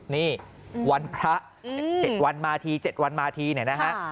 นี่วันพระ๗วันมาที๗วันมาทีเนี่ยนะฮะ